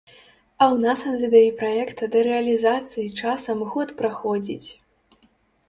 А ў нас ад ідэі праекта да рэалізацыі часам год праходзіць!